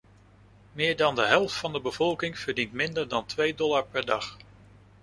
Meer dan de helft van de bevolking verdient minder dan twee dollar per dag.